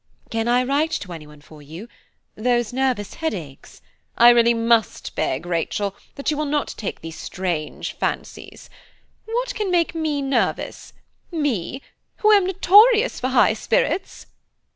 "Can I write to any one for you? those nervous headaches–" "I really must beg, Rachel, you will not take these strange fancies. What can make me nervous? me, who am notorious for high spirits!"